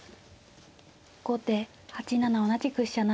後手８七同じく飛車成。